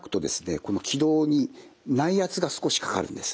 この気道に内圧が少しかかるんです。